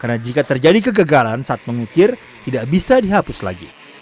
karena jika terjadi kegagalan saat mengukir tidak bisa dihapus lagi